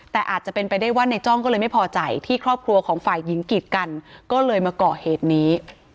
แต่อาจจะเป็นไปได้ว่าในจ้องก็เลยไม่พอใจที่ครอบครัวของฝ่ายหญิงกีดกันก็เลยมาก่อเหตุนี้